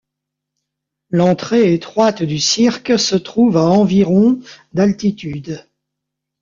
L'entrée étroite du cirque se trouve à environ d'altitude.